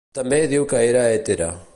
També diu que era hetera.